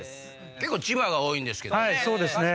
結構千葉が多いですけど。